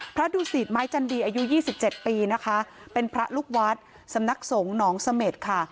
ดูสิตไม้จันดีอายุ๒๗ปีนะคะเป็นพระลูกวัดสำนักสงฆ์หนองเสม็ดค่ะ